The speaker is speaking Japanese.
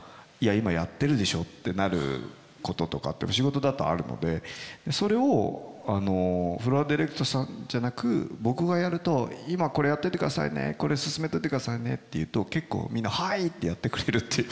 今やってるでしょってなることとかって仕事だとあるのでそれをフロアディレクターさんじゃなく僕がやると今これやっといてくださいねこれ進めといてくださいねって言うと結構みんな「はい！」ってやってくれるっていう。